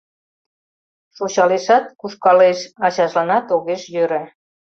Шочалешат, кушкалеш, Ачажланат огеш йӧрӧ